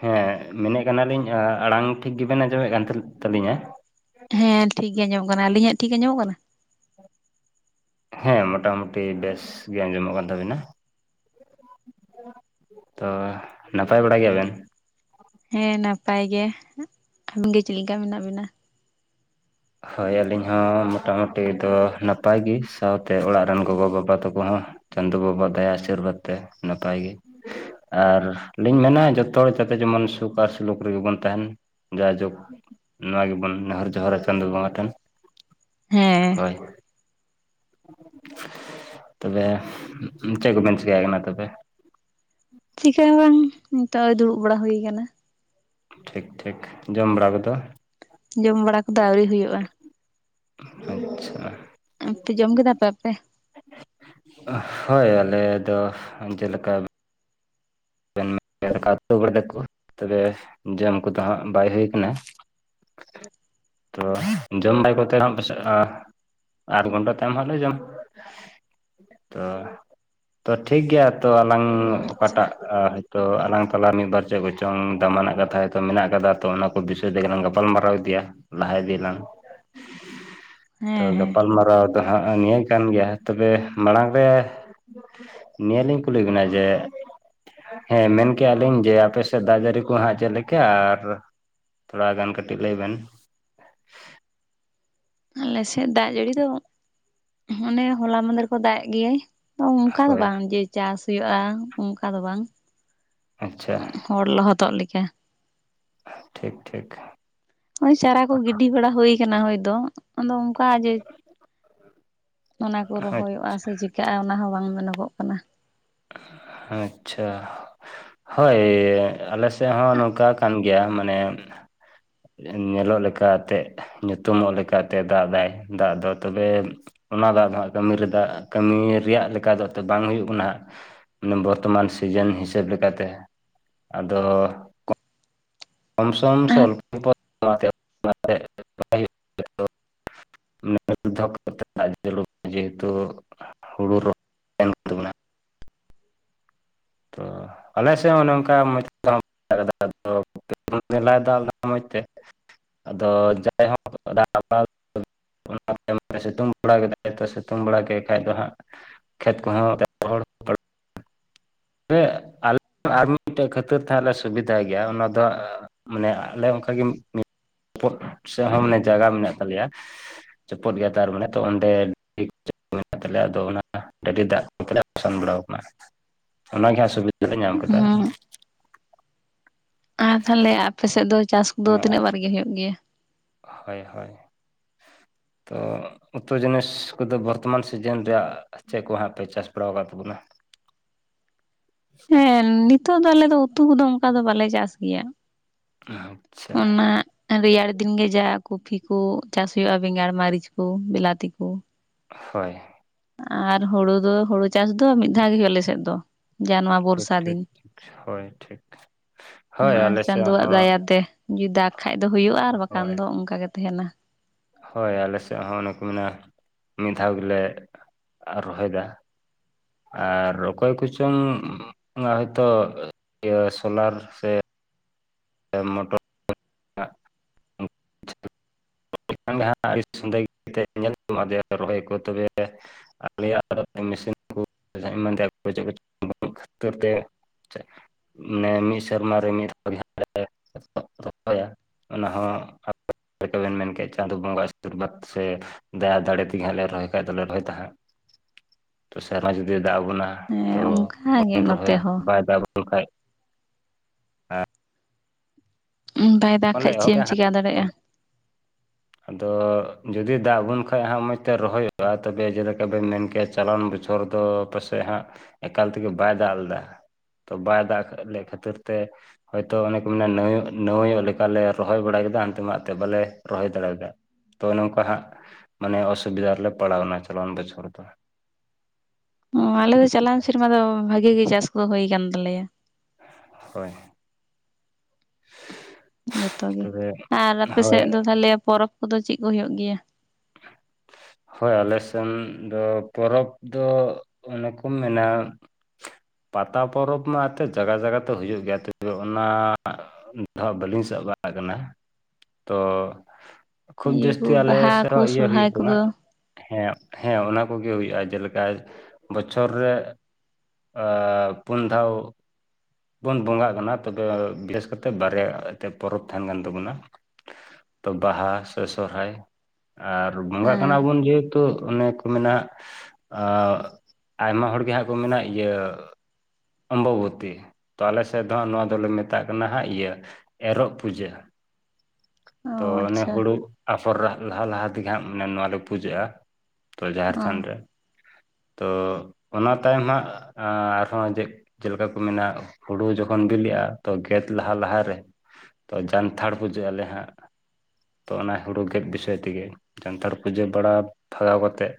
ᱦᱮᱸ ᱢᱮᱱᱮᱫ ᱠᱟᱱᱟ ᱞᱤᱧ ᱟᱲᱟᱝ ᱴᱷᱤᱠ ᱜᱮᱵᱤᱱ ᱟᱸᱡᱚᱢᱮᱫ ᱠᱟᱱ ᱛᱟᱦᱮᱸ ᱛᱟᱹᱞᱤᱧᱟ‌? ᱦᱮᱸ ᱴᱷᱤᱠ ᱜᱮ ᱟᱸᱡᱚᱢᱚᱜ ᱠᱟᱱᱟ ᱟᱹᱞᱤᱧᱟᱜ ᱴᱷᱤᱠ ᱜᱮ ᱟᱸᱡᱚᱢᱚᱜ ᱠᱟᱱᱟ? ᱦᱮᱸ ᱢᱳᱴᱟᱢᱩᱴᱤ ᱵᱮᱥ ᱜᱮ ᱟᱸᱡᱚᱢᱚᱜ ᱠᱟᱱ ᱛᱟᱹᱵᱤᱱᱟ ᱾ ᱛᱚ ᱱᱟᱯᱟᱭ ᱵᱟᱲᱟ ᱜᱮᱭᱟ ᱵᱤᱱ? ᱦᱮᱸ ᱱᱟᱯᱟᱭ ᱜᱮ ᱟᱹᱵᱤᱱ ᱜᱮ ᱪᱮᱫ ᱞᱮᱠᱟ ᱢᱮᱱᱟᱜ ᱵᱤᱱᱟ? ᱦᱳᱭ ᱟᱹᱞᱤᱧ ᱦᱚᱸ ᱢᱚᱴᱟᱢᱩᱴᱤ ᱫᱚ ᱱᱟᱯᱟᱭ ᱜᱮ ᱥᱟᱶᱛᱮ ᱚᱲᱟᱜ ᱨᱤᱱ ᱜᱚᱜᱚᱼᱵᱟᱵᱟ ᱛᱟᱠᱚ ᱦᱚᱸ ᱪᱟᱸᱫᱳ ᱵᱟᱵᱟ ᱫᱟᱭᱟ ᱟᱥᱤᱨᱵᱟᱫ ᱛᱮ ᱱᱟᱯᱟᱭ ᱜᱮ ᱾ ᱟᱨ ᱞᱤᱧ ᱢᱮᱱᱟ ᱡᱚᱛᱚ ᱦᱚᱲ ᱡᱚᱛᱚ ᱡᱮᱢᱚᱱ ᱥᱩᱠ ᱟᱨ ᱥᱩᱞᱩᱠ ᱨᱮᱜᱮ ᱵᱚᱱ ᱛᱟᱦᱮᱸᱱ ᱾ ᱡᱟᱭᱡᱩᱜᱽ ᱱᱚᱣᱟ ᱜᱮᱵᱚᱱ ᱱᱮᱦᱚᱸᱨ ᱡᱚᱦᱟᱸᱨᱟ ᱪᱟ ᱪᱟᱸᱫᱚ ᱵᱟᱝᱜᱟ ᱴᱷᱮᱱ ᱦᱮᱸ ᱦᱳᱭ ᱛᱚᱵᱮ ᱪᱮᱫ ᱠᱚᱵᱮᱱ ᱪᱤᱠᱟ ᱭᱮᱫ ᱠᱟᱱᱟ ᱛᱚᱵᱮ ᱪᱮᱠᱟᱹ ᱦᱚᱸ ᱵᱟᱝ ᱱᱤᱛᱚᱜ ᱫᱩᱲᱩᱵ ᱵᱟᱲᱟ ᱦᱩᱭ ᱟᱠᱟᱱᱟ ᱴᱷᱤᱠ ᱴᱷᱤᱠ ᱡᱚᱢ ᱵᱟᱲᱟ ᱠᱩᱫᱚ ᱡᱚᱢ ᱵᱟᱲᱟ ᱠᱩᱫᱚ ᱟᱹᱣᱨᱤ ᱦᱩᱭᱩᱜᱼᱟ ᱟᱪᱪᱷᱟ ᱟᱯᱮ ᱡᱚᱢ ᱠᱮᱫᱟ ᱯᱮ ᱟᱯᱮ ᱦᱳᱭ ᱟᱞᱮ ᱫᱚ ᱡᱮᱞᱮᱠᱟ ᱫᱟᱠᱟ ᱛᱩ ᱵᱟᱲᱟ ᱫᱟᱠᱚ ᱛᱚᱵᱮ ᱡᱚᱢ ᱠᱚᱫᱚ ᱦᱟᱸᱜ ᱵᱟᱭ ᱦᱩᱭ ᱠᱟᱱᱟ ᱛᱚ ᱡᱚᱢ ᱵᱟᱭ ᱠᱚᱛᱮ ᱦᱚ ᱯᱟᱥᱮ ᱦ ᱟᱴ ᱜᱷᱚᱱᱴᱟ ᱛᱟᱭᱚᱢ ᱦᱟᱸ ᱞᱮ ᱡᱚᱢ ᱾ ᱛᱚ ᱛᱚ ᱴᱷᱤᱠ ᱜᱮᱭᱟ ᱛᱚ ᱟᱞᱟᱝ ᱚᱠᱟ ᱟᱪᱪᱷᱟ ᱴᱟᱜ ᱛᱚ ᱟᱞᱟᱝ ᱛᱟᱞᱟ ᱢᱤᱫ ᱵᱟᱨ ᱪᱮᱫ ᱠᱚᱪᱚᱝ ᱫᱟᱢᱟᱱᱟᱜ ᱠᱟᱛᱷᱟ ᱦᱚᱛᱚ ᱢᱮᱱᱟᱜ ᱟᱠᱟᱫᱟ ᱛᱚ ᱚᱱᱟ ᱠᱚ ᱵᱤᱥᱚᱭ ᱛᱮ ᱜᱮ ᱞᱟᱝ ᱜᱟᱯᱟᱞ ᱢᱟᱨᱟᱣ ᱤᱫᱤᱭᱟ ᱞᱟᱦᱟ ᱤᱫᱤᱭᱟᱞᱟᱝ ᱛᱚ ᱦᱮᱸ ᱦᱮᱸ ᱜᱟᱯᱟᱞ ᱢᱟᱨᱟᱣ ᱫᱚ ᱦᱟᱸᱜ ᱱᱤᱭᱟᱹ ᱠᱟᱱ ᱜᱮᱭᱟ ᱦᱮᱸ ᱛᱚᱵᱮ ᱢᱟᱲᱟᱝ ᱨᱮ ᱱᱤᱭᱟᱹᱞᱤᱧ ᱠᱩᱞᱤ ᱵᱤᱱᱟ ᱡᱮ ᱦᱮᱸ ᱢᱮᱱ ᱠᱮᱜᱼᱟ ᱞᱤᱧ ᱡᱮ ᱟᱯᱮ ᱥᱮᱫ ᱫᱟᱜ ᱡᱟᱨᱤ ᱠᱚ ᱦᱟᱸᱜ ᱪᱮᱫ ᱞᱮᱠᱟ ᱟᱨ ᱛᱷᱚᱲᱟ ᱜᱟᱱ ᱠᱟᱹᱴᱤᱡ ᱞᱟᱹᱭ ᱵᱮᱱ ᱟᱞᱮ ᱥᱮᱫ ᱫᱟᱜ ᱡᱟᱹᱲᱤ ᱫᱚ ᱚᱱᱮ ᱦᱚᱞᱟ ᱢᱟᱸᱫᱮᱨ ᱠᱷᱚᱱ ᱫᱟᱜ ᱮ ᱜᱮᱭᱟᱭ ᱚᱱᱠᱟ ᱫᱚ ᱦᱳᱭ ᱵᱟᱝ ᱡᱮ ᱪᱟᱥ ᱦᱩᱭᱩᱜᱼᱟ ᱚᱱᱠᱟ ᱫᱚ ᱵᱟᱝ ᱟᱪᱪᱷᱟ ᱦᱚᱲ ᱞᱚᱦᱚᱫᱚᱜ ᱞᱮᱠᱟ ᱴᱷᱤᱠ ᱴᱷᱤᱠ ᱦᱳᱭ ᱪᱟᱨᱟ ᱠᱚ ᱜᱤᱰᱤ ᱵᱟᱲᱟ ᱦᱩᱭ ᱠᱟᱱᱟ ᱦᱳᱭ ᱫᱚ ᱟᱫᱚ ᱚᱱᱠᱟ ᱡᱮ ᱚᱱᱟ ᱠᱚ ᱟᱪᱪᱷᱟ ᱨᱚᱦᱚᱭᱚᱜᱼᱟ ᱥᱮ ᱪᱮᱠᱟᱹᱜᱼᱟ ᱚᱱᱟ ᱦᱚᱸ ᱵᱟᱝ ᱢᱮᱱᱚᱜᱚᱜ ᱠᱟᱱᱟ ᱟᱪᱪᱷᱟ ᱦᱳᱭ ᱟᱞᱮ ᱥᱮᱫ ᱦᱚᱸ ᱱᱚᱝᱠᱟ ᱠᱟᱱ ᱜ ᱜᱮᱭᱟ ᱢᱟᱱᱮ ᱧᱮᱞᱚᱜ ᱞᱮᱠᱟ ᱛᱮ ᱧᱩᱛᱩᱢᱚᱜ ᱞᱮᱠᱟᱛᱮ ᱫᱟᱜ ᱫᱟᱭ ᱛᱚᱵᱮ ᱚᱱᱟ ᱫᱟᱜ ᱫᱚ ᱦᱟᱜ ᱠᱟᱹᱢᱤ ᱨᱮ ᱠᱟᱹᱢᱤ ᱨᱮᱭᱟᱜ ᱞᱮᱠᱟ ᱫᱚ ᱛᱚ ᱵᱟᱝ ᱦᱩᱭᱩᱜ ᱠᱟᱱᱟ ᱦᱟᱜ ᱵᱚᱨᱛᱚᱢᱟᱱ ᱥᱤᱡᱟᱹᱱ ᱦᱤᱥᱟᱹᱵ ᱞᱮᱠᱟ ᱛᱮ ᱟᱫᱚ ᱠᱚᱢᱥᱚᱢ ᱥᱮ ᱚᱞᱯᱚᱯᱚᱟᱭ ᱦᱩᱭᱩᱜ [inaudible] ᱚ ᱠᱟᱛᱮ ᱡᱮᱦᱮᱛᱩ ᱦᱩᱲᱩ ᱨᱚᱦᱚᱭ [inaudible] ᱛᱟᱵᱚᱱᱟ ᱛᱚ ᱟᱞᱮ ᱥᱮᱫ ᱚᱱᱮ ᱚᱱᱠᱟ ᱢᱚᱡᱽ ᱢᱮᱞᱟᱭ ᱫᱟ ᱚᱱᱟ ᱢᱚᱡᱽ ᱛᱮ ᱟᱫᱚ ᱡᱟᱭ ᱦᱚᱸ [inaudible] ᱚᱱᱟ ᱛᱟᱭᱚᱢ ᱥᱤᱛᱩᱝ ᱵᱟᱲᱟ ᱠᱮᱫᱟᱭ ᱛᱚ ᱥᱤᱛᱩᱝ ᱵᱟᱲᱟ ᱠᱮᱫ ᱠᱷᱟ ᱫᱚ ᱦᱟᱸᱜ ᱠᱷᱮᱛ ᱠᱚᱦᱚᱸ [unintelligible] ᱟᱞᱮ ᱟᱨ ᱢᱤᱫ ᱢᱤᱫᱴᱮᱡ ᱠᱷᱟᱹᱛᱤᱨ ᱛᱮ ᱞᱮ ᱥᱩᱵᱤᱫᱷᱟ ᱜᱮᱭᱟ ᱚᱱᱟ ᱫᱚ ᱟᱸ ᱢᱟᱱᱮ ᱟᱞᱮ ᱚᱱᱠᱟᱜᱮ [unintelligible] ᱱᱤᱴᱯ ᱥᱮᱫ ᱦᱚᱸ ᱢᱟᱱᱮ ᱡᱟᱭᱜᱟ ᱢᱮᱱᱟᱜ ᱛᱟᱞᱮᱭᱟ ᱪᱚᱯᱩᱫ ᱜᱮᱭᱟ ᱛᱟᱨ ᱢᱟᱱᱮ ᱚᱸᱰᱮ [unintelligible] ᱢᱮᱱᱟᱜ ᱛᱟᱞᱮᱭᱟ ᱟᱫᱚ ᱚᱱᱟ ᱰᱟᱹᱰᱤ ᱫᱟᱜ ᱛᱮᱞᱮ ᱥᱟᱥᱟᱱ ᱵᱟᱲᱟᱟᱣ ᱟᱠᱟᱱᱟ᱾ ᱚᱱᱟᱜᱮ ᱦᱟᱸᱜ ᱥᱩᱵᱤᱫᱷᱟ ᱫᱚᱞᱮ ᱧᱟᱢ ᱠᱮᱫᱟ᱾ ᱦᱮᱸ ᱟᱨ ᱛᱟᱦᱚᱞᱮ ᱟᱯᱮᱥᱮᱫ ᱫᱚ ᱪᱟᱥ ᱠᱚᱫᱚ ᱛᱤᱱᱟᱹᱜ ᱵᱟᱨ ᱜᱮ ᱦᱩᱭᱩᱜ ᱜᱮᱭᱟ? ᱦᱳᱭ ᱦᱳᱭ ᱛᱚ ᱩᱛᱩ ᱡᱤᱱᱤᱥ ᱠᱚᱫᱚ ᱵᱚᱨᱛᱚᱢᱟᱱ ᱥᱤᱡᱟᱹᱱ ᱨᱮᱭᱟᱜ ᱪᱮᱫ ᱠᱚ ᱦᱟᱸᱜ ᱯᱮ ᱪᱟᱥ ᱵᱟᱲᱟᱣ ᱟᱠᱟᱫ ᱛᱟᱵᱩᱱᱟ? ᱦᱮᱸ ᱱᱤᱛᱚᱜ ᱫᱚ ᱟᱞᱮ ᱫᱚ ᱩᱛᱩ ᱠᱩᱫᱚ ᱚᱱᱠᱟ ᱫᱚ ᱵᱟᱞᱮ ᱪᱟᱥ ᱜᱮᱭᱟ᱾ ᱟᱪᱪᱷᱟ ᱚᱱᱟ ᱨᱮᱭᱟᱲ ᱫᱤᱱ ᱜᱮ ᱡᱟ ᱠᱚᱷᱯᱤ ᱠᱚ ᱪᱟᱥ ᱦᱩᱭᱩᱜᱼᱟ ᱵᱮᱸᱜᱟᱲ ᱢᱟᱹᱨᱤᱪ ᱠᱚ ᱵᱞᱟᱛᱤ ᱠᱚ᱾ ᱦᱳᱭ ᱟᱨ ᱦᱳᱲᱳ ᱫᱚ ᱦᱳᱲᱳ ᱪᱟᱥ ᱫᱚ ᱢᱤᱫ ᱫᱷᱟᱣ ᱜᱮ ᱦᱩᱭᱩᱜᱼᱟ ᱟᱞᱮᱥᱮᱫ ᱫᱚ ᱡᱟ ᱱᱚᱶᱟ᱾ ᱴᱷᱤᱠ ᱴᱷᱤᱠ ᱦᱳᱭ ᱴᱷᱤᱠ ᱦᱳᱭ ᱚᱱᱟ ᱟᱞᱮᱥᱮᱫ ᱪᱟᱸᱫᱳᱣᱟᱜ ᱦᱚᱸ ᱫᱟᱭᱟᱛᱮ ᱡᱩᱫᱤ ᱫᱟᱜᱽ ᱠᱷᱟᱡ ᱫᱚ ᱦᱳᱭᱳᱜᱼᱟ ᱟᱨ ᱵᱟᱠᱷᱟᱱ ᱦᱳᱭ ᱫᱚ ᱚᱱᱠᱟ ᱜᱮ ᱛᱟᱦᱮᱱᱟ᱾ ᱦᱳᱭ ᱟᱞᱮ ᱥᱮᱫ ᱦᱚᱸ ᱚᱱᱮ ᱠᱚ ᱢᱮᱱᱟ ᱢᱤᱫ ᱫᱷᱟᱣ ᱜᱮᱞᱮ ᱨᱚᱦᱚᱭᱫᱟ᱾ ᱟᱨ ᱚᱠᱚᱭ ᱠᱚᱪᱚᱝ ᱦᱚᱭᱛᱚ ᱤᱭᱟᱹ ᱥᱳᱞᱟᱨ ᱥᱮ ᱢᱚᱴᱚᱨ [inaudible] [inaudible] [unintelligible] ᱨᱚᱦᱚᱭ ᱠᱚ ᱛᱚᱵᱮᱻ [unintelligible] ᱠᱷᱟᱹᱛᱤᱨ ᱛᱮ ᱢᱟᱱᱮ ᱢᱤᱫ ᱥᱮᱨᱢᱟ ᱨᱮ ᱢᱤᱫ ᱫᱷᱟᱣ ᱞᱮ ᱦᱳᱭᱟ ᱚᱱᱟ ᱦᱚᱸ ᱟᱵᱮᱱ ᱢᱮᱱ ᱠᱮᱫ ᱪᱟᱸᱫᱚ ᱵᱚᱸᱜᱟ ᱟᱥᱤᱨᱵᱟᱫᱽ ᱥᱮ ᱫᱟᱭ ᱫᱟᱲᱮ ᱛᱮᱜᱮ ᱦᱟᱸᱜ ᱞᱮ ᱨᱚᱦᱚᱭ ᱠᱷᱟᱡ ᱫᱚᱞᱮ ᱨᱚᱦᱚᱭ ᱛᱟᱦᱮᱸ ᱦᱟᱸᱜ ᱛᱚ ᱥᱮᱨᱢᱟ ᱡᱩᱫᱤ ᱫᱟᱜ ᱟ ᱵᱚᱱᱟ᱾ ᱦᱮᱸ ᱛᱚ ᱚᱱᱠᱟᱜᱮ ᱵᱟᱵᱚᱱ ᱱᱚᱛᱮ ᱨᱚᱦᱚᱭᱟ ᱦᱚᱸ ᱵᱟᱭ ᱫᱟᱜ ᱵᱩᱱ ᱠᱷᱟᱡ᱾ ᱵᱟᱭ ᱫᱟᱜ ᱵᱟᱞᱮ ᱠᱷᱟᱡ ᱮᱦᱚᱵ ᱪᱮᱫ ᱮᱢ ᱠᱮᱭᱟ ᱦᱟᱸᱜ ᱪᱮᱠᱟ ᱫᱟᱲᱮᱭᱟᱜᱼᱟ᱾ ᱟᱫᱚ ᱡᱩᱫᱤ ᱫᱟᱜ ᱟᱵᱚᱱ ᱠᱷᱟᱡ ᱢᱚᱸᱡᱽ ᱛᱮ ᱨᱚᱦᱚᱭᱚᱜᱼᱟ ᱛᱚᱵᱮ ᱡᱮᱞᱮᱠᱟ ᱵᱮᱱ ᱢᱮᱱᱠᱮᱜᱼᱟ ᱪᱟᱞᱟᱣᱮᱱ ᱵᱚᱪᱷᱚᱨ ᱫᱚ ᱯᱟᱥᱮᱡ ᱦᱟᱸᱜ ᱮᱠᱟᱞ ᱛᱮᱜᱮ ᱵᱟᱭ ᱫᱟᱜ ᱞᱮᱫᱟᱹ᱾ ᱛᱚ ᱵᱟᱭ ᱫᱟᱜ ᱞᱮᱫ ᱠᱷᱟᱹᱛᱤᱨ ᱛᱮ ᱦᱚᱭᱛᱚ ᱚᱱᱮ ᱠᱚ ᱢᱮᱱᱟ ᱱᱟᱹ ᱱᱟᱹᱢᱟᱹᱭᱚᱜ ᱞᱮᱠ ᱚᱱᱠᱟᱞᱮ ᱨᱚᱦᱚᱭ ᱵᱟᱲᱟ ᱠᱮᱫᱟ ᱟᱫᱚᱢᱟᱜ ᱫᱚ ᱵᱟᱞᱮ ᱨᱚᱦᱚᱭ ᱫᱟᱲᱮᱭᱫᱟ ᱛᱚ ᱚᱱᱮᱚᱝᱠᱟ ᱦᱟᱸᱜ ᱢᱟᱱᱮ ᱚᱥᱩᱵᱤᱫᱷᱟ ᱨᱮᱞᱮ ᱯᱟᱲᱟᱣᱱᱟ ᱪᱟᱞᱚᱱ ᱵᱪᱷᱚᱨ ᱫᱚ᱾ ᱚ ᱟᱞᱮ ᱫᱚ ᱪᱟᱞᱟᱣ ᱥᱮᱨᱢᱟ ᱫᱚ ᱵᱷᱟᱜᱮ ᱜᱮ ᱪᱟᱥ ᱠᱚ ᱦᱳᱭ ᱠᱟᱱ ᱛᱟᱞᱮᱭᱟᱹ ᱾ ᱦᱳᱭ ᱡᱚᱛᱚ ᱜᱮ ᱛᱚᱵᱮ ᱟᱨ ᱟᱯᱮᱥᱮᱫ ᱦᱳᱭ ᱫᱚ ᱛᱟᱦᱞᱮ ᱯᱚᱨᱚᱵᱽ ᱠᱚᱫᱚ ᱪᱮᱫ ᱠᱚ ᱦᱳᱭᱳᱜ ᱜᱮᱭᱟ? [inaudible] ᱦᱳᱭ ᱟᱞᱮᱥᱱ ᱫᱚ ᱯᱚᱨᱚᱵᱽ ᱫᱚ ᱚᱱᱮ ᱠᱚ ᱢᱮᱱᱟ ᱯᱟᱛᱟ ᱯᱚᱨᱚᱵᱽ ᱢᱟ ᱮᱱᱛᱮᱫ ᱡᱟᱭᱜᱟ ᱡᱟᱭᱜᱟ ᱛᱮ ᱦᱳᱭᱳᱜ ᱜᱮᱭᱟ ᱛᱚᱵᱮ ᱚᱱᱟ ᱫᱚ ᱵᱟᱹᱞᱤᱧ ᱥᱟᱵ ᱵᱟᱲᱟᱜ ᱠᱟᱱᱟ ᱛᱚ ᱠᱷᱩᱵ ᱤᱭᱟᱹ ᱠᱚ ᱡᱟᱹᱥᱛᱤ ᱟᱞᱮ ᱵᱟᱦᱟ ᱥᱮᱫ ᱠᱚ ᱤᱭᱟᱹ ᱥᱚᱨᱦᱟᱭ ᱦᱩᱭᱩᱜ ᱛᱟᱦᱮᱱᱟ᱾ ᱠᱚᱫᱚ ᱦᱮᱸ ᱦᱮᱸ ᱚᱱᱟ ᱠᱚᱜᱮ ᱦᱩᱭᱩᱜᱼᱟ ᱡᱮᱞᱮᱠᱟ ᱵᱚᱪᱷᱚᱨ ᱨᱮ ᱟᱻ ᱯᱩᱱ ᱫᱷᱟᱹᱣ ᱵᱚᱱ ᱵᱚᱸᱜᱟᱜ ᱠᱟᱱᱟ ᱛᱚᱵᱮ ᱵᱮᱥ ᱠᱟᱛᱮ ᱵᱟᱨᱭᱟ ᱮᱱᱛᱜ ᱯᱚᱨᱚᱵᱽ ᱛᱟᱦᱮᱱ ᱠᱟᱱ ᱛᱟᱹᱵᱚᱱᱟ᱾ ᱛᱚ ᱵᱟᱦᱟ ᱥᱮ ᱥᱚᱦᱨᱟᱭ ᱟᱨ ᱵᱚᱸᱜᱟᱜ ᱠᱟᱱᱟ ᱦᱮᱸ ᱵᱚᱱ ᱡᱮ ᱛᱚ ᱚᱱᱮ ᱠᱚ ᱢᱮᱱᱟ ᱟᱭᱢᱟ ᱦᱚᱲᱜᱮ ᱦᱟᱸᱜ ᱠᱚ ᱢᱮᱱᱟ ᱤᱭᱟᱹ ᱚᱢᱵᱚᱵᱚᱛᱤ ᱛᱚ ᱟᱞ ᱥᱮᱫ ᱫᱚ ᱦᱟᱸᱜ ᱱᱚᱣᱟ ᱫᱚᱞᱮ ᱢᱮᱛᱟᱜ ᱠᱟᱱᱟ ᱦᱟᱸᱜ ᱤᱭᱟᱹ ᱮᱨᱚᱜ ᱯᱩᱡᱟᱹ᱾ ᱚ ᱛᱚ ᱚᱱᱮ ᱟᱪᱪᱷᱟ ᱦᱩᱲᱩ ᱟᱯᱷᱚᱨ ᱞᱟᱦᱟ ᱞᱟᱦᱟ ᱛᱮᱜᱮ ᱦᱟᱸᱜ ᱢᱟᱱᱮ ᱱᱚᱣᱟ ᱞᱮ ᱯᱩᱡᱟᱹᱜᱼᱟ᱾ ᱛᱚ ᱡᱟᱦᱮᱨ ᱚ ᱛᱷᱟᱱ ᱨᱮ ᱛᱚ ᱚᱱᱟ ᱛᱟᱭᱚᱢ ᱦᱟᱸᱜ ᱟᱨᱦᱚᱸ ᱡᱮ ᱡᱮᱞᱮᱠᱟ ᱠᱚ ᱢᱮᱱᱟ ᱦᱩᱲᱩ ᱡᱚᱠᱷᱚᱱ ᱵᱤᱞᱤᱜᱼᱟ ᱛᱚ ᱜᱮᱫ ᱞᱟᱦᱟ ᱞᱟᱦᱟ ᱨᱮ ᱛᱚ ᱡᱟᱱᱛᱷᱟᱲ ᱯᱩᱡᱟᱹᱜ ᱟᱞᱮ ᱦᱟᱸᱜ᱾ ᱛᱚ ᱚᱱᱟ ᱦᱩᱲᱩ ᱜᱮᱫ ᱵᱤᱥᱚᱭ ᱛᱮᱜᱮ ᱡᱟᱱᱛᱷᱟᱲ ᱯᱩᱡᱟᱹ ᱵᱟᱲᱟ ᱵᱷᱟᱜᱟᱣ ᱠᱟᱛᱮᱫ,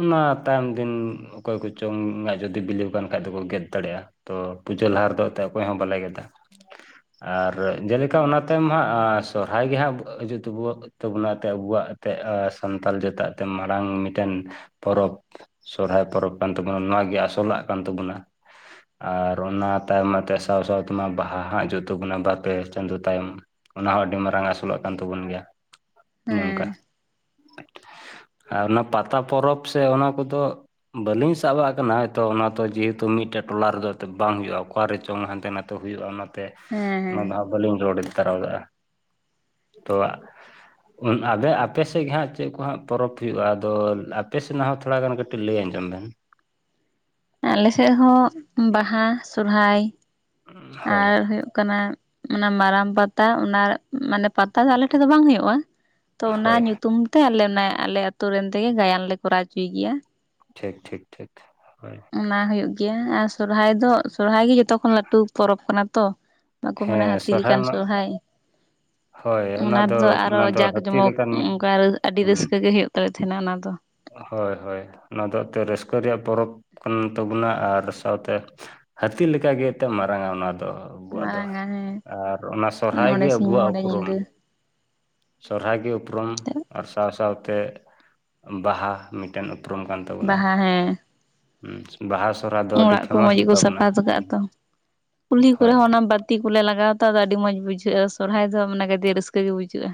ᱚᱱᱟ ᱛᱟᱭᱚᱢ ᱫᱤᱱ ᱚᱠᱚᱭ ᱠᱚ ᱪᱚᱝ ᱟᱜ ᱡᱩᱫᱤ ᱵᱤᱞᱤᱣ ᱠᱟᱱ ᱠᱷᱟᱡ ᱫᱚᱠᱚ ᱜᱮᱫ ᱫᱟᱲᱮᱭᱟᱜᱼᱟ᱾ ᱛᱚ ᱯᱩᱡᱟᱹ ᱞᱟᱦᱟ ᱨᱮᱫᱚ ᱮᱱᱛᱮᱫ ᱚᱠᱚᱭ ᱦᱚᱸ ᱵᱟᱞᱮ ᱜᱮᱫᱟ᱾ [inaudible] ᱟᱨ ᱡᱮᱞᱮᱠᱟ ᱚᱱᱟ ᱛᱟᱭᱚᱢ ᱦᱟᱸᱜ ᱥᱚᱦᱨᱟᱭ ᱜᱮ ᱦᱟᱸᱜ ᱦᱤᱡᱩᱜ ᱛᱟᱵᱚ ᱛᱟᱵᱚᱱᱟ ᱮᱱᱛ ᱟᱵᱚᱣᱟᱜ ᱮᱱᱛᱜ ᱥᱟᱱᱛᱟᱲ ᱡᱟᱛᱟᱜ ᱮᱱ ᱢᱟᱨᱟᱝ ᱢᱤᱫᱴᱮᱱ ᱯᱚᱨᱚᱵᱽ ᱥᱚᱦᱨᱟᱭ ᱯᱚᱨᱚᱵᱽ ᱠᱟᱱ ᱛᱟᱵᱚᱱᱟ ᱱᱚᱣᱟ ᱜᱮ ᱟᱥᱚᱞᱟᱜ ᱠᱟᱱ ᱛᱟᱵᱚᱱᱟ᱾ ᱟᱨ ᱚᱱᱟ ᱛᱟᱭᱚᱢ ᱛᱮ ᱥᱟᱶ ᱥᱟᱶ ᱛᱮᱢᱟ ᱵᱟᱦᱟ ᱦᱟᱸᱜ ᱦᱤᱡᱩᱜ ᱛᱟᱵᱚᱱᱟ ᱵᱟᱨ ᱯᱮ ᱪᱟᱸᱫᱚ ᱛᱟᱭᱚᱢ, ᱚᱱᱟ ᱦᱚᱸ ᱟᱹᱰᱤ ᱢᱟᱨᱟᱝ ᱟᱹᱥᱩᱞᱟᱜ ᱠᱟᱱ ᱛᱟᱵᱚᱱ ᱜᱮᱭᱟ ᱱᱚᱝᱠᱟ, ᱦᱮᱸ [inaudible] ᱟᱨ ᱚᱱᱟ ᱯᱟᱛᱟ ᱯᱚᱨᱚᱵᱽ ᱥᱮ ᱚᱱᱟ ᱠᱚ ᱫᱚ ᱵᱟᱹᱞᱤᱧ ᱥᱟᱵᱟᱜ ᱟᱠᱟᱱᱟ ᱛᱚ ᱚᱱᱟ ᱡᱮᱦᱮᱛᱩ ᱢᱤᱫᱴᱮᱡ ᱴᱚᱞᱟ ᱨᱮ ᱫᱚ ᱵᱟᱝ ᱦᱩᱭᱩᱜᱼᱟ, ᱚᱠᱟᱨᱮ ᱪᱚᱝ ᱦᱟᱱᱛᱮ ᱱᱟᱛᱮ ᱛᱚ ᱦᱩᱭᱩᱜᱼᱟ ᱚᱱᱟ ᱛᱮ ᱦᱮᱸ ᱚᱱᱟ ᱦᱮᱸ ᱫᱚ ᱦᱟᱜ ᱵᱟᱹᱞᱤᱧ ᱨᱚᱲ ᱤᱫᱤ ᱛᱟᱨᱟ ᱞᱮᱜᱼᱟ ᱛᱚ ᱟᱫᱚ ᱟᱯᱮ ᱥᱮᱫ ᱜᱮ ᱦᱟᱸᱜ ᱪᱮᱫ ᱠᱚ ᱦᱟᱸᱜ ᱯᱚᱨᱚᱵᱽ ᱦᱩᱭᱩᱜᱼᱟ ᱟᱫᱚ ᱟᱯᱮ ᱥᱮᱱᱟᱜ ᱦᱚᱸ ᱛᱷᱚᱲᱟ ᱜᱟᱱ ᱠᱟᱹ ᱴᱤᱡ ᱞᱟᱹᱭ ᱟᱸᱡᱚᱢ ᱵᱮᱱ ᱟᱞᱮ ᱥᱮᱫ ᱦᱚᱸ ᱵᱟᱦᱟ ᱥᱚᱨᱦᱟᱭ ᱦᱳᱭ ᱟᱨ ᱦᱩᱭᱩᱜ ᱠᱟᱱᱟ, ᱚᱱᱟ ᱢᱟᱨᱟᱝ ᱯᱟᱛᱟ ᱚᱱᱟ ᱢᱟᱱᱮ ᱯᱟᱛᱟ ᱫᱚ ᱟᱞᱮᱴᱷᱮᱱ ᱫᱚ ᱵᱟᱝ ᱦᱳᱭᱳᱜᱼᱟ ᱛᱚ ᱚᱱᱟ ᱦᱳᱭ ᱧᱩᱛᱩᱢ ᱛᱟᱦᱚ ᱞᱮᱱᱟ ᱟᱞᱮ ᱟᱹᱛᱳ ᱨᱮᱱ ᱛᱮᱜᱮ ᱜᱟᱭᱟᱱ ᱞᱮ ᱠᱚᱨᱟᱣ ᱚᱪᱚᱭ ᱜᱮᱭᱟ᱾ ᱴᱷᱤᱠ ᱴᱷᱤᱠ ᱴᱷᱤᱠ ᱦᱚᱭ᱾ ᱚᱱᱟ ᱦᱩᱭᱩᱜ ᱜᱮᱭᱟ ᱟᱨ ᱥᱚᱨᱦᱟᱭ ᱫᱚ ᱥᱚᱨᱦᱟᱭ ᱜᱮ ᱡᱚᱛᱚ ᱠᱷᱚᱱ ᱞᱟᱹᱴᱩ ᱯᱚᱨᱚᱵᱽ ᱠᱟᱱᱟ ᱛᱚ᱾ ᱵᱟᱠᱚ ᱢᱮᱱᱟ ᱦᱮᱸ ᱦᱟᱹᱛᱤ ᱥᱚᱨᱦᱟᱭ ᱞᱮᱠᱟᱱ ᱢᱟ ᱥᱚᱦᱨᱟᱭ᱾ ᱦᱳᱭ ᱚᱱᱟ ᱫᱚ ᱨᱮᱫᱚ ᱟᱨᱚ ᱚᱱᱟ ᱫᱚ ᱡᱟᱸᱠ ᱦᱟᱹᱛᱤ ᱡᱚᱢᱚᱠ ᱞᱮᱠᱟᱱ ᱢᱤᱫ ᱚᱱᱠᱟ ᱟᱹᱰᱤ ᱦᱩᱸ ᱨᱟᱹᱥᱠᱟᱹ ᱜᱮ ᱦᱩᱭᱩᱜ ᱛᱟᱞᱮ ᱛᱟᱦᱮᱸᱱᱟ ᱚᱱᱟ ᱫᱚ᱾ ᱦᱳᱭ ᱦᱳᱭ ᱚᱱᱟ ᱫᱚ ᱮᱱᱛᱮᱫ ᱨᱟᱹᱥᱠᱟᱹ ᱨᱮᱭᱟᱜ ᱯᱚᱨᱚᱵᱽ ᱠᱟᱱ ᱛᱟᱵᱚᱱᱟ ᱟᱨ ᱥᱟᱶ ᱛᱮ ᱦᱟᱹᱛᱤ ᱞᱮᱠᱟ ᱜᱮ ᱛᱚ ᱢᱟᱨᱟᱝᱼᱟ ᱚᱱᱟ ᱫᱚ᱾ ᱟᱵᱚᱣᱟᱜ ᱫᱚ ᱢᱟᱨᱟᱝᱟ ᱦᱮᱸ ᱟᱨ ᱚᱱᱟ ᱥᱚᱨᱦᱟᱭ ᱜᱮ ᱢᱚᱬᱮ ᱥᱤᱧ ᱟᱵᱚᱣᱟᱜ ᱢᱚᱬᱮ ᱩᱯᱨᱩᱢ᱾ ᱧᱤᱫᱟᱹ ᱥᱚᱨᱦᱟᱭ ᱜᱮ ᱩᱯᱨᱩᱢ ᱟᱨ ᱥᱟᱶ ᱥᱟᱶ ᱛᱮ ᱵᱟᱦᱟ ᱢᱤᱫᱴᱮᱱ ᱩᱯᱨᱩᱢ ᱠᱟᱱ ᱛᱟᱵᱚᱱᱟ ᱵᱟᱦᱟ ᱦᱮᱸ ᱦᱩᱸ ᱵᱟᱦᱟ ᱥᱚᱨᱦᱟᱭ ᱫᱚ ᱟᱹᱰᱤ ᱚᱲᱟᱜ ᱠᱚ ᱯᱷᱮᱢᱟᱥ ᱢᱚᱸᱡᱽ ᱜᱮ ᱠᱚ ᱜᱮᱛᱟ ᱵᱚᱱᱟ ᱥᱟᱯᱷᱟ ᱠᱟᱜᱼᱟ ᱛᱚ ᱠᱩᱞᱦᱤ ᱠᱚᱨᱮ ᱦᱳᱭ ᱦᱚᱸ ᱚᱱᱟ ᱵᱟ ᱛᱤ ᱠᱚ ᱞᱮ ᱞᱟᱜᱟᱣᱟ ᱛᱚ ᱟᱫᱚ ᱟᱹᱰᱤ ᱢᱚᱡᱽ ᱵᱩᱡᱷᱟᱹᱜᱼᱟ ᱥᱚᱨᱦᱟᱭ ᱫᱚ ᱢᱟᱱᱮ ᱜᱟᱫᱮᱞ ᱨᱟᱹᱥᱠᱟᱹ ᱜᱮ ᱵᱩᱡᱷᱟᱹᱜᱼᱟ᱾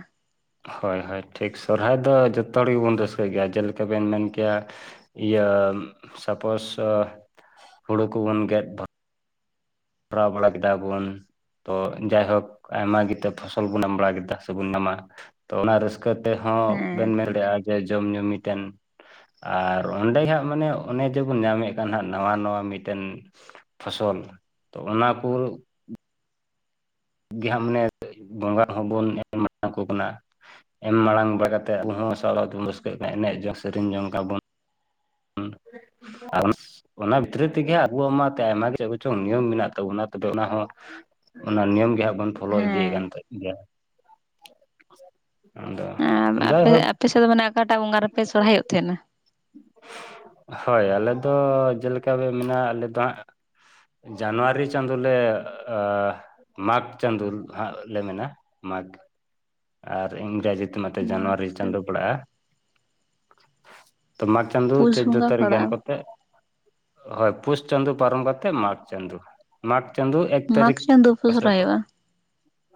ᱦᱳᱭ ᱦᱳᱭ ᱴᱷᱤᱠ ᱥᱚᱨᱦᱟᱭ ᱫᱚ ᱡᱚᱛᱚ ᱦᱚᱲ ᱜᱮᱵᱚᱱ ᱨᱟᱹᱥᱠᱟᱹ ᱜᱮᱭᱟ ᱡᱮᱞᱮᱠᱷᱟ ᱵᱤᱱ ᱢᱮᱱ ᱠᱮᱭᱟ, ᱤᱭᱟᱹ ᱥᱟᱯᱳᱥ ᱦᱩᱲᱩ ᱠᱚᱵᱚᱱ ᱜᱮᱫ ᱯᱨᱟᱣ ᱵᱟᱲᱟ ᱠᱮᱫᱟ ᱵᱚᱱ, ᱛᱚ ᱡᱟᱭᱦᱳᱠ ᱟᱭᱢᱟ ᱜᱮᱛ ᱯᱷᱚᱥᱚᱞ ᱵᱚᱱ ᱮᱢᱟᱢ ᱵᱟᱲᱟ ᱠᱮᱫᱟ ᱥᱮ ᱵᱚᱱ ᱧᱟᱢᱟ ᱛᱚ ᱚᱱᱟ ᱨᱟᱹᱥ ᱠᱟᱹ ᱛᱮ ᱦᱚᱸ ᱵᱮᱱ ᱦᱮᱸ ᱢᱮᱱ ᱫᱟᱲᱮᱭᱟᱜᱼᱟ ᱡᱮ ᱡᱚᱢᱼᱧᱩ ᱢᱤᱫᱴᱟᱝ ᱟᱨ ᱚᱸᱰᱮ ᱦᱟᱸᱜ ᱢᱟᱱᱮ ᱚᱱᱮ ᱡᱮᱵᱚᱱ ᱧᱟᱢᱮᱫ ᱠᱟᱱ ᱦᱜ ᱱᱟᱣᱟ ᱱᱟᱣᱟ ᱢᱤᱫᱴᱮᱱ ᱯᱷᱚᱥᱚᱞ ᱛᱚ ᱚᱱᱟ ᱠᱚ ᱜᱮ ᱦᱟᱸᱜ ᱢᱟᱱᱮ ᱵᱚᱸᱜᱟ ᱦᱚᱸᱵᱚᱱ ᱮᱢ ᱠᱚ ᱠᱟᱱᱟ᱾ ᱮᱢ ᱢᱟᱲᱟᱝ ᱵᱟᱲᱟ ᱠᱟ ᱠᱟᱛᱮ ᱟᱵ ᱦᱚᱸ [inaudible] ᱛᱮᱵᱚᱱ ᱨᱟᱹᱥᱠᱟᱹ ᱭᱮᱫ ᱠᱟᱱᱟ ᱮᱱᱮᱡ ᱡᱚᱝ ᱥᱮᱨᱮᱧ ᱡᱚᱝ ᱞᱮᱠᱟᱵᱚᱱ ᱦᱮᱸ ᱟᱨ ᱚᱱᱟ ᱵᱷᱤᱛᱨᱤ ᱛᱮ ᱜᱮ ᱟᱵᱚᱣᱟᱜ ᱢᱟ ᱟᱭᱢᱟ ᱪᱮᱫ ᱠᱚ ᱪᱚᱝ ᱱᱤᱭᱚᱢ ᱢᱮᱱᱟᱜ ᱛᱟᱵᱚᱱᱟ ᱛᱚᱵᱮ ᱚᱱᱟ ᱦᱚᱸ ᱚᱱᱟ ᱱᱤᱭᱚᱢ ᱜᱮ ᱦᱟᱜ ᱵᱚᱱ ᱯᱷᱳᱚᱞᱳ ᱤᱫᱤᱭᱮᱫ ᱠᱟᱱ ᱦᱮᱸ ᱜᱮᱭᱟ, ᱟᱫᱚ ᱟᱯᱮ ᱡᱟᱭᱦᱳᱠ ᱟᱯᱮᱥᱮᱫ ᱢᱟᱱᱮ ᱚᱠᱟᱴᱟᱜ ᱵᱚᱸᱜᱟ ᱨᱮ ᱯᱮ ᱥᱚᱨᱦᱟᱭᱚᱜ ᱛᱟᱦᱮᱱᱟ? ᱦᱳᱭ ᱟᱞᱮ ᱫᱚ ᱡᱮᱞᱮᱠᱟ ᱵᱮ ᱢᱮᱱᱟᱜᱼᱟ ᱟᱞᱮ ᱫᱚ ᱦᱟᱸᱜ ᱡᱟᱱᱩᱣᱟᱨᱤ ᱪᱟᱸᱫᱳ ᱞᱮ ᱢᱟᱜᱽ ᱪᱟᱸᱫᱚ ᱦᱟᱸᱜ ᱞᱮ ᱢᱮᱱᱟ ᱢᱟᱜᱽ ᱟᱨ ᱤᱝᱨᱮᱡᱤ ᱛᱮ ᱢᱟ ᱢᱟᱜᱽ ᱡᱟᱱᱩᱣᱟᱨᱤ ᱪᱟᱸᱫᱚ ᱯᱟᱲᱟᱜᱼᱟ ᱛᱚ ᱢᱟ ᱪᱟᱸᱫᱳ ᱯᱩᱥ ᱪᱳᱫᱫᱳ ᱵᱚᱸᱜᱟ ᱛᱟᱹᱨᱤᱠᱷ ᱜᱟᱱ ᱯᱟᱲᱟᱜᱼᱟ ᱠᱟᱛᱮ ᱦᱳᱭ ᱯᱩᱥ ᱪᱟᱸᱫᱳ ᱯᱟᱨᱚᱢ ᱠᱟᱛᱮ ᱢᱟᱜᱽ ᱪᱟᱸᱫᱩ ᱢᱟᱜᱽ ᱪᱟᱸᱫᱩ ᱮᱠ ᱢᱟᱜᱽ ᱛᱟᱹᱨᱤᱠ ᱪᱟᱸᱫᱳ ᱯᱮ ᱯᱟᱥᱮ ᱥᱚᱨᱦᱟᱭᱚᱜᱼᱟ ᱯᱟᱨᱟᱜ-ᱟ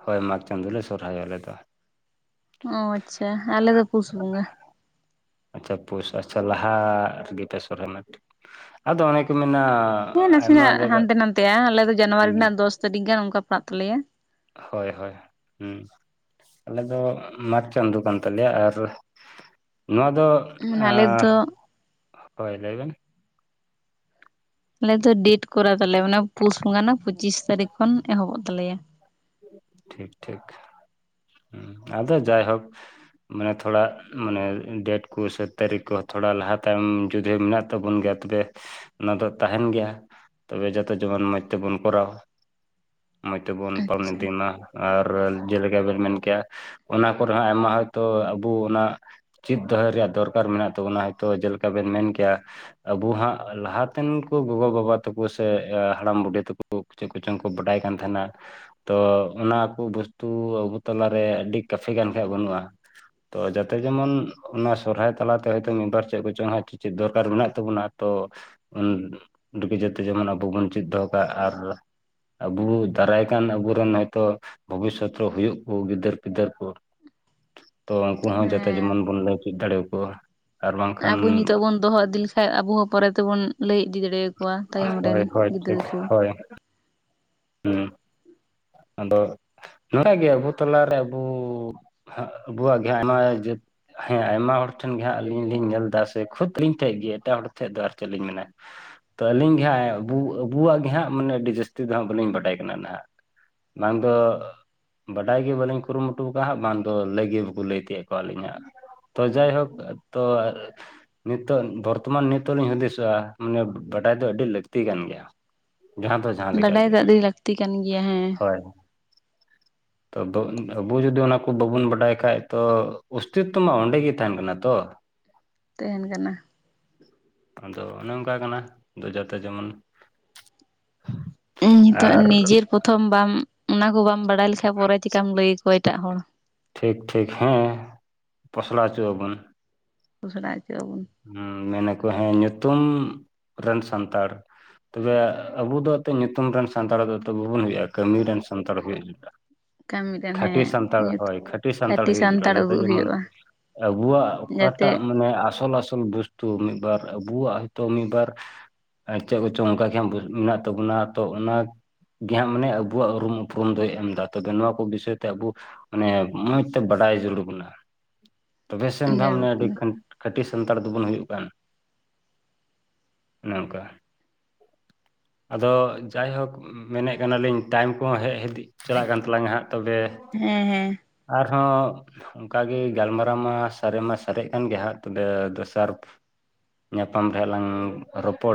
ᱦᱳᱭ ᱢᱟᱜᱽ ᱪᱟᱸᱫᱚ ᱞᱮ ᱥᱚᱨᱦᱟᱭᱚᱜ ᱟᱞᱮ ᱫᱚ ᱚ ᱟᱪᱪᱷᱟ ᱟᱞᱮ ᱫᱚ ᱯᱩᱥ ᱵᱚᱸᱜᱟ ᱟᱪᱪᱷᱟ ᱯᱩᱥ ᱟᱪᱪᱷᱟ ᱞᱟᱦᱟ ᱨᱮ ᱜᱮ ᱯᱮ ᱥᱚᱨᱦᱟᱭᱚᱜ ᱟᱫᱚ ᱚᱱᱮ ᱠᱚ ᱢᱮᱱᱟᱻᱟ᱾ ᱦᱮᱸ ᱱᱟᱥᱮᱱᱟᱜ ᱦᱟᱱᱛᱮ ᱱᱟᱛᱮ-ᱟ ᱟᱞᱮ ᱫᱚ ᱡᱟᱱᱣᱟᱨᱤ ᱨᱮᱱᱟᱜ ᱫᱚᱥ ᱛᱟᱹᱨᱤᱠᱷ ᱜᱟᱱ ᱚᱱᱠᱟ ᱯᱟᱲᱟᱜ ᱛᱟᱞᱮᱭᱟ᱾ ᱦᱳᱭ ᱦᱳᱭ ᱟᱞᱮ ᱫᱚ ᱢᱟᱜᱽ ᱪᱟᱸᱫᱚ ᱠᱟᱱ ᱛᱟᱞᱮᱭᱟ ᱟᱨ ᱱᱚᱣᱟ ᱫᱚ ᱢᱟᱱᱮ ᱟᱞᱮ ᱫᱚ ᱦᱳᱭ ᱞᱟᱹᱭ ᱵᱮᱱ ᱟᱞᱮ ᱫᱚ ᱰᱮᱴ ᱠᱚᱨᱟ ᱛᱟᱞᱮ ᱢᱟᱱᱮ ᱯᱩᱥ ᱵᱚᱸᱜᱟ ᱨᱮᱱᱟᱜ ᱯᱩᱪᱤᱥ ᱛᱟᱹᱨᱤᱠᱷ ᱠᱷᱚᱱ ᱮᱦᱚᱵᱽᱚᱜ ᱛᱟᱞᱮᱭᱟ᱾ ᱴᱷᱤᱠ ᱴᱷᱤᱠ ᱦᱮᱸ ᱟᱫᱚ ᱡᱟᱭ ᱦᱳᱠ ᱢᱟᱱᱮ ᱛᱷᱚᱲᱟ ᱢᱟᱱᱮ ᱰᱮᱴ ᱠᱚ ᱥᱮ ᱛᱟᱹᱨᱤᱠᱷ ᱠᱚ ᱛᱷᱚᱲᱟ ᱞᱟᱦᱟ ᱛᱟᱭᱚᱢ ᱡᱩᱫᱤ ᱢᱮᱱᱟᱜ ᱛᱟᱵᱚᱱ ᱜᱮᱭᱟ ᱛᱚᱵᱮ ᱚᱱᱟ ᱫᱚ ᱛᱟᱦᱮᱱ ᱜᱮᱭᱟ ᱛᱚᱵᱮ ᱡᱚᱛᱚ ᱡᱮᱢᱚᱱ ᱢᱚᱡᱽ ᱛᱮᱵᱚᱱ ᱠᱚᱨᱟᱣ ᱢᱚᱡᱽ ᱛᱮᱵᱚᱱ ᱯᱟᱞᱚᱱ ᱟᱪᱪᱷᱟ᱾ ᱤᱫᱤᱭ ᱢᱟ ᱟᱨ ᱡᱮᱞᱮᱠᱟ ᱵᱮᱱ ᱢᱮᱱ ᱠᱮᱜᱼᱟ ᱚᱱᱟ ᱠᱚᱨᱮ ᱦᱚᱸ ᱟᱭᱢᱟ ᱦᱚᱭ ᱛᱚ ᱟᱵᱚ ᱚᱱᱟ ᱪᱮᱫ ᱫᱚᱦᱚᱭ ᱨᱮᱭᱟᱜ ᱫᱚᱨᱠᱟᱨ ᱢᱮᱱᱟᱜ ᱛᱟᱵᱚᱱᱟ ᱦᱚᱭ ᱛᱚ ᱡᱮᱞᱮᱠᱟ ᱵᱮᱱ ᱢᱮᱱ ᱠᱮᱭᱟ ᱟᱵᱩ ᱦᱟᱸᱜ ᱞᱟᱦᱟᱛᱮᱱ ᱠᱩ ᱜᱚᱜᱚ ᱵᱟᱵᱟ ᱛᱟᱠᱚ ᱥᱮ ᱦᱟᱲᱟᱢ ᱵᱩᱰᱷᱤ ᱛᱟᱠᱚ ᱪᱮᱫ ᱠᱚᱪᱚᱝ ᱠᱚ ᱵᱟᱰᱟᱭ ᱠᱟᱱ ᱛᱟᱦᱮᱱᱟ ᱛᱚ ᱚᱱᱟ ᱠᱚ ᱵᱚᱥᱛᱩ ᱟᱵᱚ ᱛᱟᱞᱟᱨᱮ ᱟᱹᱰᱤ ᱠᱟᱯᱷᱤ ᱜᱟᱱ ᱠᱷᱟᱱ ᱵᱟᱹᱱᱩᱜ-ᱟ᱾ ᱛᱚ ᱡᱟᱛᱮ ᱡᱮᱢᱚᱱ ᱚᱱᱟ ᱥᱚᱨᱦᱟᱭ ᱛᱟᱞᱟ ᱛᱮ ᱦᱚᱭ ᱛᱚ ᱢᱤᱫᱵᱟᱨ ᱪᱮᱫ ᱠᱚ ᱪᱚᱝ ᱪᱮᱫ ᱫᱚᱨᱠᱟᱨ ᱢᱮᱱᱟᱜ ᱛᱟᱵᱚᱱᱟ ᱛᱚ ᱩᱱ ᱨᱩᱠᱤᱡᱟᱛᱮ ᱡᱮᱢᱚᱱ ᱟᱵᱚ ᱵᱚᱱ ᱪᱮᱫ ᱫᱚᱦᱚ ᱠᱟᱜ ᱟᱨ ᱟᱵᱚ ᱫᱟᱨᱟᱭ ᱠᱟᱱ ᱟᱵᱚ ᱟᱫᱚᱱ ᱦᱚᱭ ᱛᱚ ᱵᱷᱚᱵᱤᱥᱚᱛ ᱨᱮ ᱦᱩᱭᱩᱜ ᱟᱠᱚ ᱜᱤᱫᱽᱟᱹᱨ ᱯᱤᱫᱽᱟᱹᱨ ᱠᱚ ᱩᱱᱠᱩ ᱦᱚᱸ ᱡᱟᱛᱮ ᱦᱮᱸ᱾ ᱡᱮᱢᱚᱱ ᱵᱚᱱ ᱞᱟᱹᱭ ᱪᱤᱫ ᱫᱟᱲᱮ ᱣᱟᱠᱩ ᱟᱵᱚ ᱱᱤᱛᱚᱜ ᱵᱚᱱ ᱫᱚᱦᱚ ᱤᱫᱤ ᱞᱮᱠᱷᱟᱱ ᱟᱵᱚ ᱦᱚᱸ ᱯᱚᱨᱮ ᱛᱮᱵᱚᱱ ᱞᱟᱹᱭ ᱤᱫᱤ ᱫᱟᱲᱮ ᱟᱠᱚᱣᱟ ᱛᱟᱭᱚᱢ ᱨᱮᱱ ᱦᱳᱭ ᱦᱳᱭ ᱜᱤᱫᱽᱨᱟᱹ ᱴᱷᱤᱠ ᱠᱚ ᱦᱳᱭ ᱦᱩᱸ ᱟᱫᱚ ᱱᱚᱣᱟ ᱜᱮ ᱟᱵᱩ ᱛᱟᱞᱟ ᱨᱮ ᱟᱵᱩ ᱦᱟᱜ ᱵᱩᱣᱟᱜ ᱜᱮ ᱦᱟᱜ ᱟᱭᱢᱟ ᱡᱟᱹᱛ ᱦᱮᱸ ᱟᱭᱢᱟ ᱦᱚᱲ ᱴᱷᱮᱱ ᱜᱮ ᱦᱟᱸᱜ ᱟᱹᱞᱤᱧ ᱞᱤᱧ ᱧᱮᱞ ᱫᱟ ᱥᱮ ᱠᱷᱩᱫ ᱟᱹᱞᱤᱧ ᱴᱷᱮᱱ ᱜᱮ ᱮᱴᱟᱜ ᱦᱚᱲ ᱴᱷᱮᱡ ᱫᱚ ᱟᱨ ᱪᱮᱫ ᱞᱤᱧ ᱢᱮᱱᱟ ᱛᱚ ᱟᱹᱞᱤᱧ ᱜᱮ ᱦᱟᱸᱜ ᱟᱵᱩ ᱟᱸᱵᱩᱣᱟᱜ ᱜᱮ ᱦᱟᱸᱜ ᱢᱟᱱᱮ ᱟᱹᱰᱤ ᱡᱟᱹᱥᱛᱤ ᱫᱚ ᱦᱟᱸᱜ ᱵᱟᱹᱞᱤᱧ ᱵᱟᱰᱟᱭ ᱠᱟᱱᱟ ᱱᱟᱸᱦᱜ ᱵᱟᱝ ᱫᱚ ᱵᱟᱰᱟᱭ ᱜᱮ ᱵᱟᱞᱤᱧ ᱠᱩᱨᱩᱢᱩᱴᱩ ᱠᱟᱜ ᱦᱟᱸᱜ ᱵᱟᱝ ᱫᱚ ᱞᱟᱹᱭ ᱜᱮ ᱵᱟᱠᱚ ᱞᱟᱹᱭ ᱛᱤᱭᱳᱜ ᱠᱚᱣ ᱞᱤᱧᱟ ᱦᱟᱸᱜ ᱛᱚ ᱡᱟᱭᱦᱳᱠ ᱛᱚ ᱱᱤᱛᱚᱜ ᱵᱚᱨᱛᱚᱢᱟᱱ ᱱᱤᱛᱚᱜ ᱞᱤᱧ ᱦᱩᱫᱤᱥᱚᱜ-ᱟ ᱢᱟᱱᱮ ᱵᱟᱰᱟᱭ ᱫᱚ ᱟᱹᱰᱤ ᱞᱟᱹᱠᱛᱤ ᱠᱟᱱ ᱜᱮᱭᱟ᱾ ᱡᱟᱦᱟᱸ ᱫᱚ ᱡᱟᱦᱟᱸ ᱞᱮᱠᱟ ᱵᱟᱰᱟᱭ ᱜᱮ ᱫᱚ ᱟᱹᱰᱤ ᱞᱟᱹᱠᱛᱤ ᱠᱟᱱ ᱜᱮᱭᱟ ᱦᱮᱸ᱾ [unintelligible] [inaudible] ᱛᱚ ᱫᱚ ᱟᱵᱚ ᱡᱩᱫᱤ ᱚᱱᱟ ᱠᱚ ᱵᱟᱵᱚᱱ ᱵᱟᱰᱟᱭ ᱠᱷᱟᱡᱽ ᱛᱚ ᱚᱥᱛᱤᱛ ᱛᱚ ᱢᱟ ᱚᱸᱰᱮ ᱜᱮ ᱛᱟᱦᱮᱱ ᱠᱟᱱᱟ ᱛᱚ ᱛᱮᱦᱮᱱ ᱠᱟᱱᱟ᱾ ᱟᱫᱚ ᱚᱱᱮ ᱚᱱᱠᱟ ᱠᱟᱱᱟ ᱫᱚ ᱡᱚᱛᱮ ᱡᱮᱢᱚᱱ ᱤ ᱱᱤᱛᱚᱜ ᱟᱨ ᱱᱤᱡᱮᱨ ᱯᱚᱛᱷᱚᱢ ᱵᱟᱢ ᱚᱱᱟ ᱠᱚ ᱵᱟᱢ ᱵᱟᱲᱟᱭ ᱞᱮᱠᱷᱟᱱ ᱯᱚᱨᱮ ᱪᱮᱠᱟᱢ ᱞᱟᱹᱭ ᱟᱠᱚᱣᱟ ᱮᱴᱟᱜ ᱦᱚᱲ ᱴᱷᱤᱠ ᱴᱷᱤᱠ ᱦᱮᱸ ᱯᱚᱥᱞᱟᱣ ᱚᱪᱚᱜ ᱟᱵᱚᱱ ᱯᱚᱥᱲᱟ ᱟᱪᱚ ᱟᱵᱚᱱ ᱦᱩᱸ ᱢᱮᱱᱟᱠᱚ ᱦᱮᱸ ᱧᱩᱛᱩᱢ ᱨᱮᱱ ᱥᱟᱱᱛᱟᱲ ᱛᱚᱵᱮ ᱟᱵᱚ ᱫᱚ ᱛᱮ ᱧᱩᱛᱩᱢ ᱨᱮᱱ ᱥᱟᱱᱛᱟᱲ ᱫᱚ ᱛᱚ ᱵᱟᱵᱚᱱ ᱦᱩᱭᱩᱜ-ᱟ ᱠᱟᱹᱢᱤ ᱨᱮᱱ ᱥᱟᱱᱛᱟᱲ ᱦᱩᱭᱩᱜ ᱡᱟᱲᱩᱲᱟ᱾ ᱠᱟᱹᱢᱤ ᱨᱮᱱ ᱦᱮᱸ ᱠᱷᱟᱹᱴᱤ ᱥᱟᱱᱛᱟᱲ ᱧᱩᱛ ᱦᱳᱭ ᱠᱷᱟᱹᱴᱤ ᱥᱟᱱᱛᱟᱲ ᱦᱩᱭᱩᱜ ᱡᱟᱲᱩᱲᱟ ᱡᱟᱛᱮ ᱡᱮᱢᱚᱱ ᱟᱵᱚᱣᱟᱜ ᱡᱟᱛᱮ ᱚᱠᱟᱴᱟᱜ ᱢᱟᱱᱮ ᱟᱥᱚᱞ ᱟᱥᱚ ᱚᱞ ᱵᱩᱥᱛᱩ ᱢᱤᱫᱵᱟᱨ ᱟᱵᱚᱣᱟᱜ ᱛᱚ ᱢᱤᱫᱵᱟᱨ ᱟᱨ ᱪᱮᱫ ᱠᱚᱪᱚᱝ ᱚᱱᱠᱟ ᱜᱮ ᱦᱟᱜ ᱢᱮᱱᱟᱜ ᱛᱟᱵᱚᱱᱟ᱾ ᱛᱚ ᱚᱱᱟ ᱜᱮ ᱦᱟᱸᱜ ᱢᱟᱱᱮ ᱟᱵᱚᱣᱟᱜ ᱩᱨᱩᱢ ᱩᱯᱨᱩᱢ ᱫᱚᱭ ᱮᱢ ᱫᱟ᱾ ᱛᱚᱵᱮ ᱱᱚᱣᱟ ᱠᱚ ᱵᱤᱥᱚᱭ ᱛᱮ ᱟᱵᱚ ᱢᱟᱱᱮ ᱢᱚᱸᱡᱽ ᱛᱮ ᱵᱟᱰᱟᱭ ᱡᱩᱲᱩᱲ ᱵᱚᱱᱟ᱾ [unintelligible] ᱛᱚᱵᱮ ᱥᱮᱱ ᱫᱚ ᱦᱟᱜ ᱡᱟᱹᱨᱩᱲ ᱟᱹᱰᱤ ᱠᱟᱱᱟ ᱠᱷᱟᱹᱴᱤ ᱥᱟᱱᱛᱟᱲ ᱫᱚᱵᱚᱱ ᱦᱩᱭᱩᱜ ᱠᱟᱱ᱾ ᱚᱱᱮ ᱚᱝᱠᱟ ᱟᱫᱚ ᱡᱟᱭᱦᱳᱠ ᱢᱮᱱᱮᱫ ᱠᱟᱱᱟᱞᱤᱧ ᱴᱟᱭᱤᱢ ᱠᱚᱦᱚᱸ ᱦᱮᱡ ᱦᱤᱫᱤᱡ ᱪᱟᱞᱟᱜ ᱠᱟᱱ ᱛᱟᱞᱟᱝᱟ ᱦᱟᱸᱜ ᱛᱚᱵᱮ ᱦᱮᱸ ᱦᱮᱸ ᱟᱨᱦᱚᱸ ᱚᱱᱠᱟᱜᱮ ᱜᱟᱞᱢᱟᱨᱟᱣ ᱢᱟ ᱥᱟᱨᱮ ᱢᱟ ᱥᱟᱨᱮᱡ ᱠᱟᱱ ᱜᱮ ᱦᱟᱜ᱾ ᱛᱚᱵᱮ ᱮ ᱫᱚᱥᱟᱨ ᱧᱟᱯᱟᱢ ᱨᱮᱦᱟᱜ ᱞᱟᱝ ᱨᱚᱯᱚᱲ